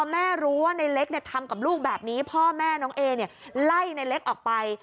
ไม่รู้ว่าในเล็กทำกับลูกแบบนี้พ่อแม่น้องเอไล่ในเล็กออกไป